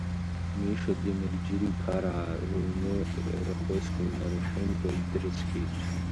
Миша Демырџьиԥараа рҩны рахәыцк ҩнаршәымкәа идрыцқьеит.